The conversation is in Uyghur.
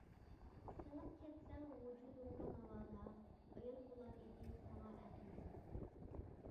سىڭىپ كەتسەڭ ۋۇجۇدۇمغا ناۋادا، ئايان بولار ئىدى ساڭا ئەقىدەم.